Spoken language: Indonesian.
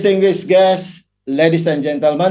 tuan tuan dan tuan tuan yang terhormat